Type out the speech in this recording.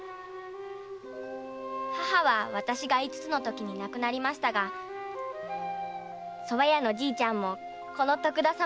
母は私が五つのときに亡くなりましたが蕎麦屋のじいちゃんもこの徳田様